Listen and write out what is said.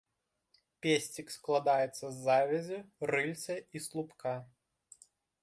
Песцік складаецца з завязі, рыльца і слупка.